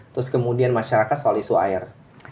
terus kemudian masyarakat soal isu air